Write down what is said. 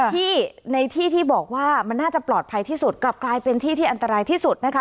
ที่ในที่ที่บอกว่ามันน่าจะปลอดภัยที่สุดกลับกลายเป็นที่ที่อันตรายที่สุดนะคะ